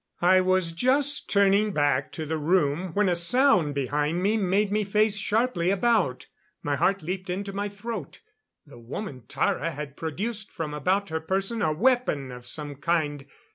I was just turning back to the room when a sound behind me made me face sharply about. My heart leaped into my throat. The woman Tara had produced from about her person a weapon of some kind.